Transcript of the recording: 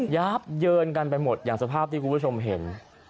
ับเยินกันไปหมดอย่างสภาพที่คุณผู้ชมเห็น